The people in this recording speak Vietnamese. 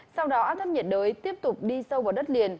sau đó áp thấp nhiệt đới tiếp tục đi sâu vào đất liền